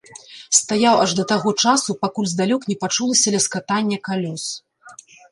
Стаяў аж да таго часу, пакуль здалёк не пачулася ляскатанне калёс.